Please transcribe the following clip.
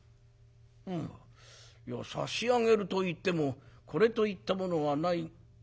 「うん。いや差し上げるといってもこれといったものはない。